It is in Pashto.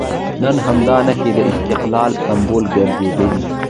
نن همدې نښې د استقلال سمبول ګرځېدلي.